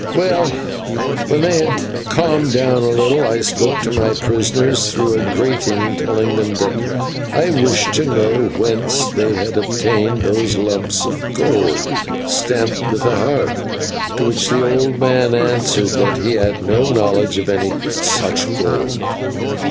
"Well, when they had calmed down a little, I spoke to my prisoners through a grating, telling them that I wished to know whence they had obtained those lumps of gold stamped with a heart, to which the old man answered that he had no knowledge of any such gold.